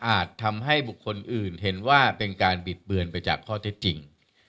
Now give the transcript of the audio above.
ทำให้บุคคลอื่นเห็นว่าเป็นการบิดเบือนไปจากข้อเท็จจริง